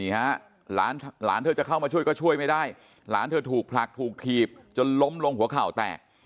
หลานเธอจะเข้ามาช่วยก็ช่วยไม่ได้หลานเธอถูกผลักถูกถีบจนล้มลงหัวเข่าแตก